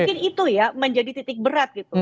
jadi mungkin itu ya menjadi titik berat gitu